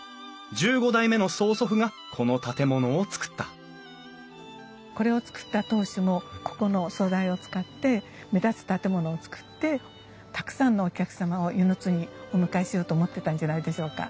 １５代目の曽祖父がこの建物をつくったこれをつくった当主もここの素材を使って目立つ建物をつくってたくさんのお客様を温泉津にお迎えしようと思ってたんじゃないでしょうか。